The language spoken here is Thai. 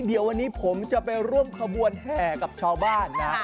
เดี๋ยววันนี้ผมจะไปร่วมขบวนแห่กับชาวบ้านนะ